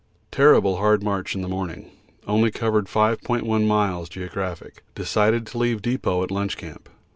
Terrible hard march in the morning; only covered 5.1 miles (geo.). Decided to leave depot at lunch camp.